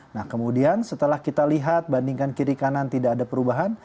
nah kemudian setelah kita lihat bandingkan kiri kanan tidak ada perubahan